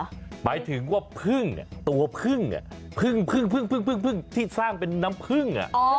หมายถึงว่าพึ่งตัวพึ่งพึ่งที่สร้างเป็นน้ำพึ่ง